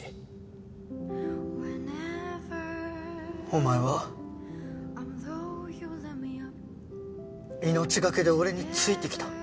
お前は命懸けで俺についてきた。